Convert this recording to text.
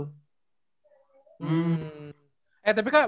hmm eh tapi kak